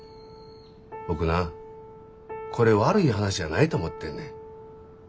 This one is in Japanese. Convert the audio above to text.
僕なこれ悪い話やないと思ってんねん。